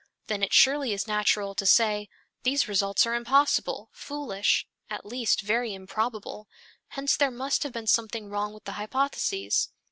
Then it surely is natural to say, "These results are impossible, foolish, at least very improbable, hence there must have been something wrong with the hypotheses.